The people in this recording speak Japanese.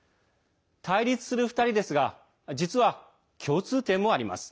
対立する２人ですが実は共通点もあります。